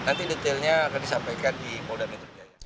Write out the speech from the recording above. nanti detailnya akan disampaikan di polda metro jaya